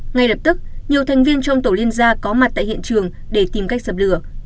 ngay lập tức nhiều thành viên trong tổ liên gia có mặt tại hiện trường để tìm cách dập lửa